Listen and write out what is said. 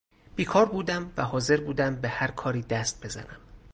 بیکار بودم و حاضر بودم به هرکاری دست بزنم.